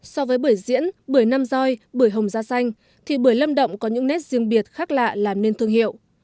so với bưởi diễn bưởi nam roi bưởi hồng da xanh thì bưởi lâm động có những nét riêng biệt khác lạ làm nên thương hiệu